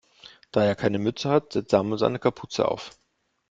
Da er keine Mütze hat, setzt Samuel seine Kapuze auf.